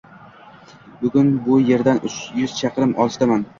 Bugun bu yerdan uch yuz chaqirim olisdaman